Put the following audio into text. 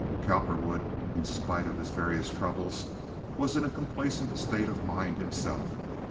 Cowperwood, in spite of his various troubles, was in a complacent state of mind himself.